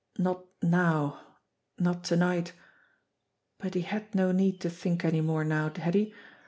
Not now ! Not to night ! But he had no need to think any more now, had he